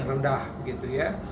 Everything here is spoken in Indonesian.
yang rendah gitu ya